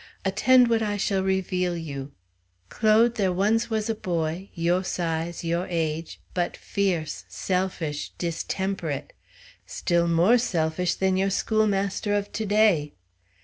Attend what I shall reveal you. Claude, there once was a boy, yo' size, yo' age, but fierce, selfish, distemperate; still more selfish than yo' schoolmaster of to day."